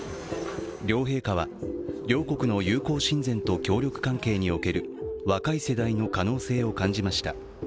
両陛下は、両国の友好親善と協力関係における若い世代の可能性を感じました。